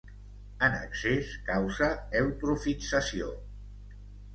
En excés causa eutrofització.